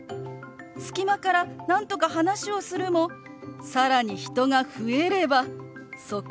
隙間からなんとか話をするも更に人が増えればそこで諦める。